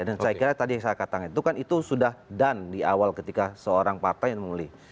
dan saya kira tadi saya katakan itu kan itu sudah done di awal ketika seorang partai yang muli